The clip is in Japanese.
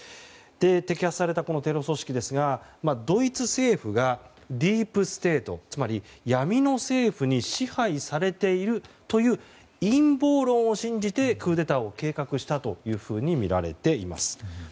摘発されたこのテロ組織ですがドイツ政府がディープステート闇の政府に支配されているという陰謀論を信じてクーデターを計画したとみられています。